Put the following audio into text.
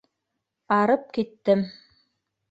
— Арып киттем.